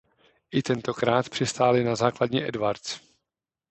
I tentokrát přistáli na základně Edwards.